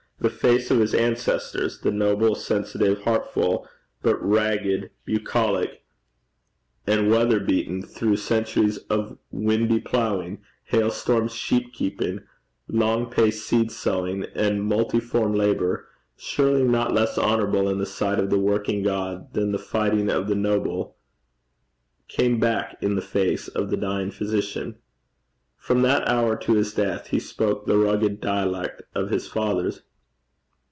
The face of his ancestors, the noble, sensitive, heart full, but rugged, bucolic, and weather beaten through centuries of windy ploughing, hail stormed sheep keeping, long paced seed sowing, and multiform labour, surely not less honourable in the sight of the working God than the fighting of the noble, came back in the face of the dying physician. From that hour to his death he spoke the rugged dialect of his fathers.